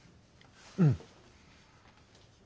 うん。